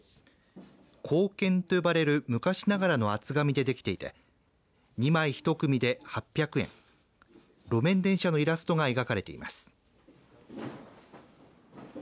硬券と呼ばれる昔ながらの厚紙でできていて２枚ひと組で８００円路面電車のイラストが描かれています。